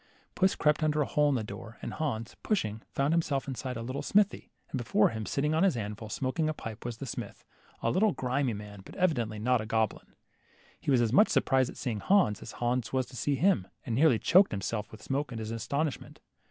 Puss crept under a hole in the door, and Hans, pushing, fdhnd himself in a little smithy, and before him, sitting on his anvil, smoking a pipe, was the smith, a little, grimy man, but evidently not goblin. He was as much surprised at seeing Hans, as Hans was to see him, and nearly choked himself with smoke in his astonishment.